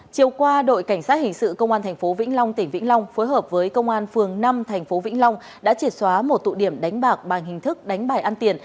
chiều qua đội cảnh sát hình sự công an tp vĩnh long tỉnh vĩnh long phối hợp với công an phường năm tp vĩnh long đã triệt xóa một tụ điểm đánh bạc bằng hình thức đánh bài ăn tiền